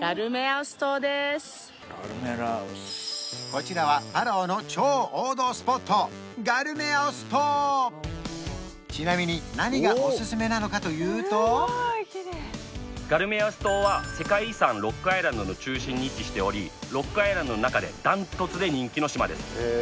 こちらはパラオの超王道スポットちなみに何がおすすめなのかというとガルメアウス島は世界遺産ロックアイランドの中心に位置しておりロックアイランドの中で断トツで人気の島です